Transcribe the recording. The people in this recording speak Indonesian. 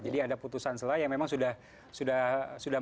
jadi ada putusan selah yang memang sudah